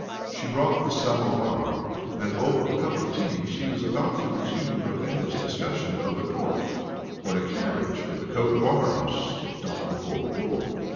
She brought the "samovar," and over a cup of tea she was about to resume her endless discussion of the Court, when a carriage with a coat of arms stopped before the door.